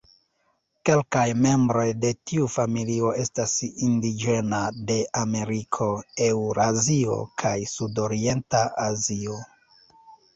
Kelkaj membroj de tiu familio estas indiĝena de Ameriko, Eŭrazio, kaj Sudorienta Azio.